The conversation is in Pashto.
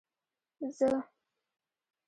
زه